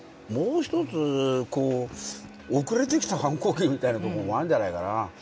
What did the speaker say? もう一つ遅れてきた反抗期みたいなとこもあんじゃないかな。